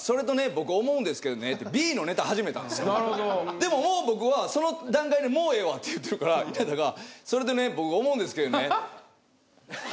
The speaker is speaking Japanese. でももう僕はその段階で「もうええわ」って言ってるから稲田が「それとねボク思うんですけどね」。